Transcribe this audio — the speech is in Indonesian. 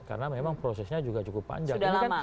karena memang prosesnya juga cukup panjang